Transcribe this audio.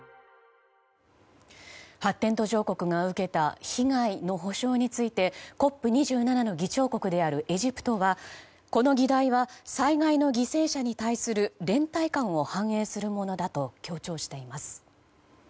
発展途上国が受けた被害の補償についてＣＯＰ２７の議長国であるエジプトはこの議題は災害の犠牲者に対する連帯感を反映するものだと強調しています。